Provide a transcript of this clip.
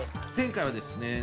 前回はですね